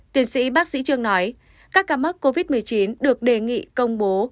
tiến sĩ bác sĩ trương nói các ca mắc covid một mươi chín được đề nghị công bố